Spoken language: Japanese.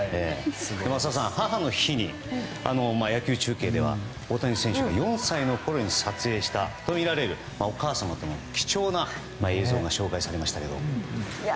浅尾さん、母の日に大谷選手が４歳のころに撮影したとみられるお母さまとの貴重な映像が紹介されましたけど。